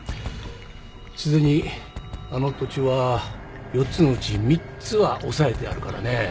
すでにあの土地は４つのうち３つは押さえてあるからね。